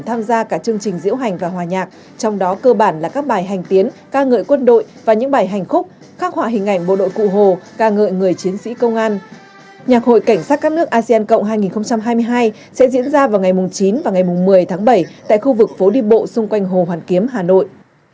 đoàn nghi lễ quân đội tham gia nhạc hội cảnh sát các nước asean cộng năm hai nghìn hai mươi hai sẽ diễn ra vào ngày chín và một mươi tháng bảy tại khu vực phố đi bộ xung quanh hồ hoàn kiếm hà nội